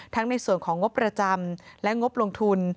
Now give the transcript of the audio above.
ในส่วนของงบประจำและงบลงทุน